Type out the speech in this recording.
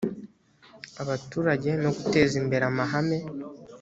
abaturage no guteza imbere amahame